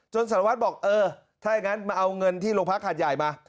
จนศาลวัฒน์บอกเออถ้าอย่างงั้นมาเอาเงินที่โรงพลักษณ์ขาดใหญ่มา